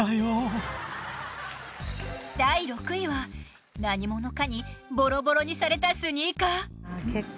第６位は何者かにボロボロにされたスニーカー。